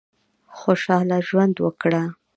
خوشاله ژوند وکړه.